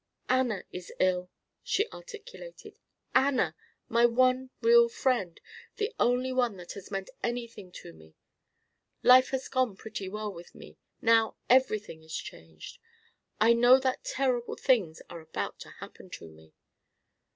"Anna is ill," she articulated. "Anna! My one real friend the only one that has meant anything to me. Life has gone pretty well with me. Now everything is changed. I know that terrible things are about to happen to me."